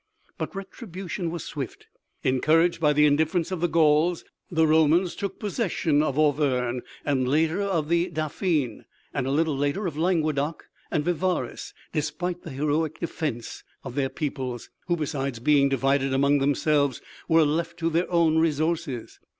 But retribution was swift. Encouraged by the indifference of the Gauls, the Romans took possession of Auvergne, and later of the Dauphine, and a little later also of Languedoc and Vivarais despite the heroic defence of their peoples, who, besides being divided among themselves, were left to their own resources.